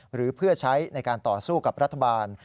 หรือเพื่อใช้ในการต่อสู้กับรัฐบาล